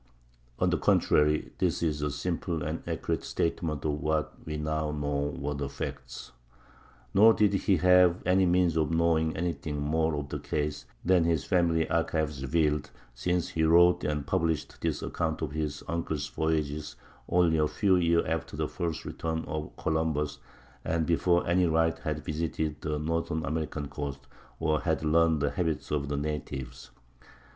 On the contrary, this is a simple and accurate statement of what we now know were the facts. Nor did he have any means of knowing anything more of the case than his family archives revealed, since he wrote and published this account of his uncle's voyages only a few years after the first return of Columbus, and before any writer had visited the northern American coasts, or had learned the habits of the natives.